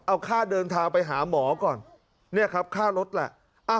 เอาค่าเดินทางไปหาหมอก่อนเนี่ยครับค่ารถแหละ